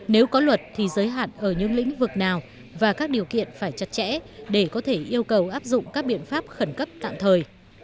nếu có luật thì giới hạn ở những lĩnh vực nào và các điều kiện phải chặt chẽ để có thể yêu cầu áp dụng các biện pháp khẩn cấp tạm thời